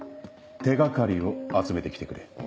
手掛かりを集めて来てくれ。